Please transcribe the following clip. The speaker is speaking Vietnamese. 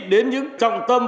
đến những trọng tâm